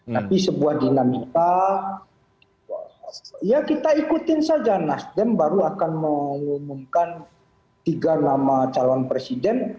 tapi sebuah dinamika ya kita ikutin saja nasdem baru akan mengumumkan tiga nama calon presiden